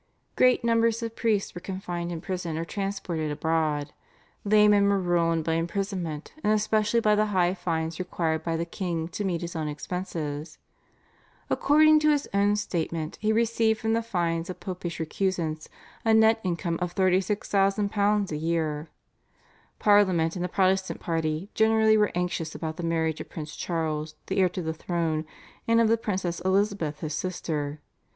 Great numbers of priests were confined in prison or transported abroad. Laymen were ruined by imprisonment, and especially by the high fines required by the king to meet his own expenses. According to his own statement he received from the fines of Popish recusants a net income of £36,000 a year. Parliament and the Protestant party generally were anxious about the marriage of Prince Charles, the heir to the throne, and of the princess Elizabeth his sister.